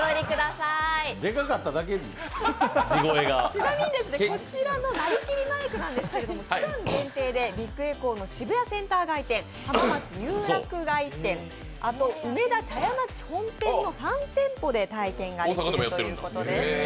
ちなみに、こちらのなりきりマイクですけれども、期間限定でビッグエコーの渋谷センター街店、浜松有楽街店梅田茶屋町本店の３店舗で体験ができるということです。